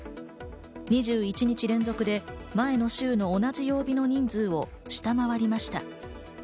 ２１日連続で前の週の同じ曜日の人数を下回りました。